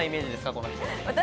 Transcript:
この人。